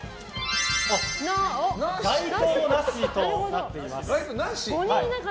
該当なしとなっています。